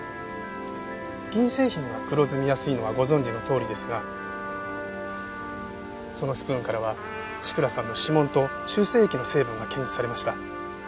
銀製品が黒ずみやすいのはご存じのとおりですがそのスプーンからは志倉さんの指紋と修正液の成分が検出されました。